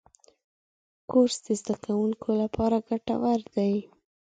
کورس د زدهکوونکو لپاره ګټور دی.